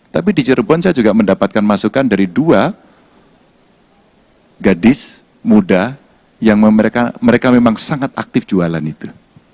tapi di cirebon saya juga mendapatkan masukan dari dua gadis muda yang mereka memang sangat aktif jualan itu